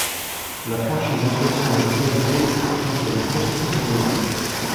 La franchise entretient une rivalité contre le Cosmos de New York.